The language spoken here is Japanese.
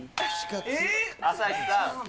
朝日さん。